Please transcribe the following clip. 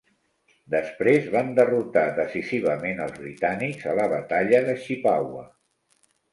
Després, van derrotar decisivament els britànics a la batalla de Chippawa.